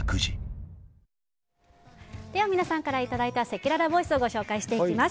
では皆さんからいただいたせきららボイスをご紹介していきます。